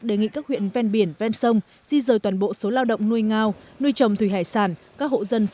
đề nghị các huyện ven biển ven sông di rời toàn bộ số lao động nuôi ngao nuôi trồng thủy hải sản các hộ dân